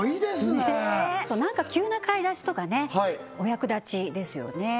ねえ何か急な買い出しとかねお役立ちですよね